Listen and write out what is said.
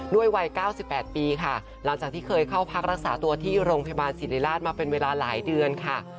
วัย๙๘ปีค่ะหลังจากที่เคยเข้าพักรักษาตัวที่โรงพยาบาลศิริราชมาเป็นเวลาหลายเดือนค่ะ